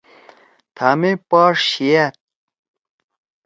تھامے پاݜ شیِأد